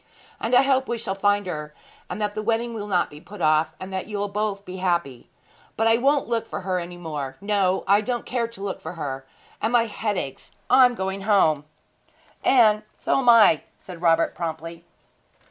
'And I hope we shall find her, and that the wedding will not be put off, and that you'll both be happy. But I won't look for her any more! No; I don't care to look for her and my head aches. I am going home!' 'And so am I,' said Robert promptly.